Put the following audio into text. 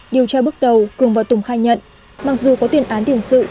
điều tra bước đầu cường và tùng khai nhận mặc dù có tiền án tiền sự